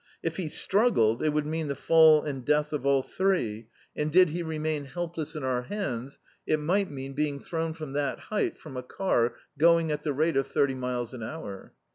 If he stru^led it would mean the fall and death of the three, and did ISO] D,i.,.db, Google A Night's Ride he remain helpless in our hands, it might mean being thrown from that height from a car going at the rate of thirty miles an hour.